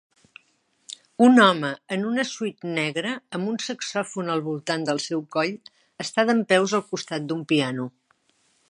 Un home en una Suite negra amb un saxòfon al voltant del seu coll està dempeus al costat d'un piano